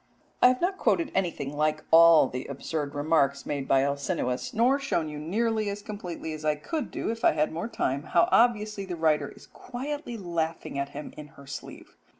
I have not quoted anything like all the absurd remarks made by Alcinous, nor shown you nearly as completely as I could do if I had more time how obviously the writer is quietly laughing at him in her sleeve.